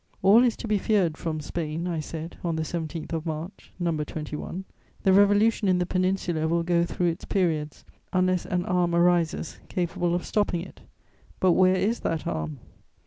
"All is to be feared from Spain," I said, on the 17th of March, No. 21; "the revolution in the Peninsula will go through its periods, unless an arm arises capable of stopping it; but where is that arm?